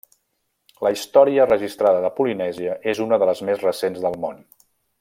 La història registrada de Polinèsia és una de les més recents del món.